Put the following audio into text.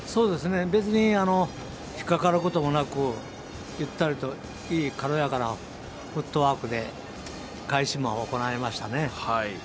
別に引っ掛かることもなくゆったりと、いい軽やかなフットワークで返し馬を行えましたね。